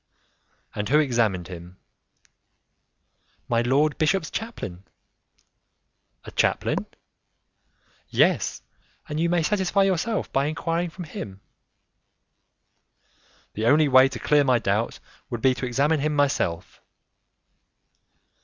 "And who examined him?" "My lord bishop's chaplain." "A chaplain?" "Yes, and you may satisfy yourself by enquiring from him." "The only way to clear my doubts would be to examine him myself."